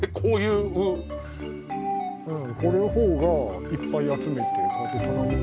うんこの方がいっぱい集めてこうやって棚に。